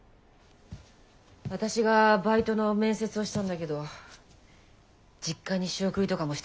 私がバイトの面接をしたんだけど実家に仕送りとかもしてるみたいだし。